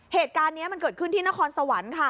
เหตุการณ์นี้มันเกิดขึ้นที่นครสวรรค์ค่ะ